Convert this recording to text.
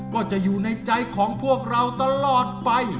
ก็จะอยู่ในใจของพวกเราตลอดไป